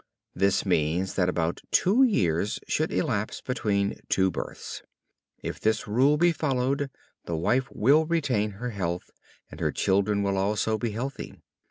This means that about two years should elapse between two births. If this rule be followed, the wife will retain her health, and her children will also be healthy.